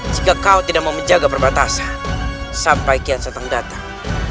jika kau tidak mau menjaga perbatasan sampai kian datang